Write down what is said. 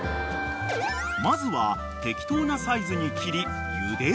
［まずは適当なサイズに］